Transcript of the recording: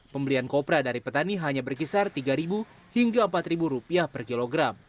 pilihan kopra dari petani hanya berkisar tiga ribu hingga empat ribu rupiah per kilogram